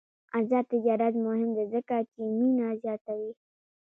آزاد تجارت مهم دی ځکه چې مینه زیاتوي.